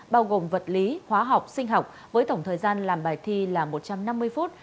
bao gồm vật lý hóa học sinh học với tổng thời gian làm bài thi là một trăm năm mươi phút